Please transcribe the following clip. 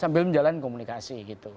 sambil menjalin komunikasi gitu